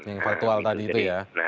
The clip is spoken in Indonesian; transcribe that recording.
yang faktual tadi itu ya